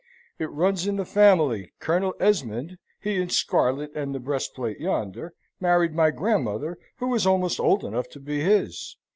It runs in the family. Colonel Esmond (he in scarlet and the breastplate yonder) married my grandmother, who was almost old enough to be his.